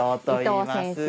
伊藤先生